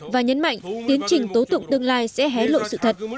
và nhấn mạnh tiến trình tố tụng tương lai sẽ hé lộ sự thật